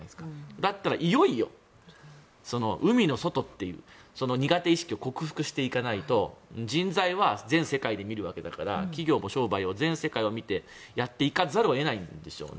だったらいよいよ海の外という苦手意識を克服していかないと人材は全世界で見るわけだから企業も商売を全世界を見てやっていかざるを得ないんでしょうね。